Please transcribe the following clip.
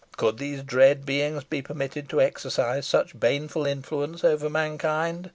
Could these dread beings be permitted to exercise such baneful influence over mankind?